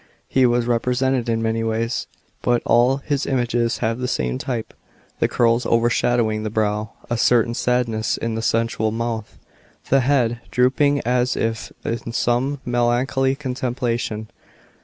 Be was represented in many ways, but all his images have the same type — the curls overshadowing the brow, a certain sadness in the sensual mouth, the head drooping as if in some melancholy contemplation.